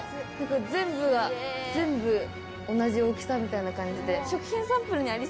全部が全部同じ大きさみたいな感じで。